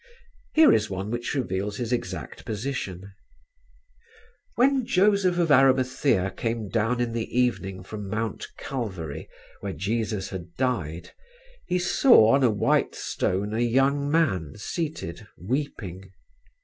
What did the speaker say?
Here is one which reveals his exact position: "When Joseph of Arimathea came down in the evening from Mount Calvary where Jesus had died he saw on a white stone a young man seated weeping.